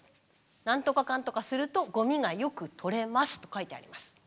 何とかかんとかするとゴミがよく取れます」と書いてあります。